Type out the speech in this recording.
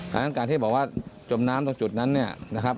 ดังนั้นการที่บอกว่าจมน้ำตรงจุดนั้นเนี่ยนะครับ